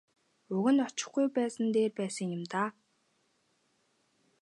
Уг нь очихгүй байсан нь дээр байсан юм даа.